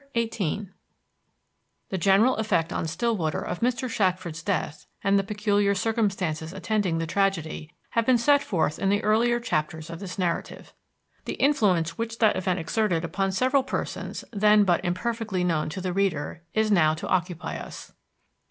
XVIII The general effect on Stillwater of Mr. Shackford's death and the peculiar circumstances attending the tragedy have been set forth in the earlier chapters of this narrative. The influence which that event exerted upon several persons then but imperfectly known to the reader is now to occupy us.